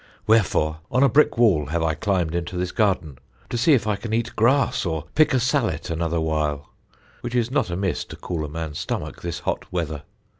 Wherefore, on a brick wall have I climbed into this garden, to see if I can eat grass, or pick a sallet another while, which is not amiss to cool a man's stomach this hot weather.